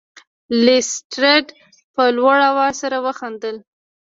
لیسټرډ په لوړ اواز سره وخندل.